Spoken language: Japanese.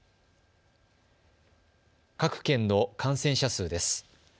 各県の感染者数です。